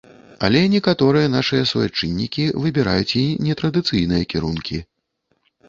Але некаторыя нашыя суайчыннікі выбіраюць і нетрадыцыйныя кірункі.